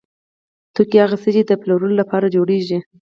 توکي هغه څه دي چې د پلورلو لپاره جوړیږي.